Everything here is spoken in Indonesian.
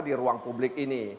di ruang publik ini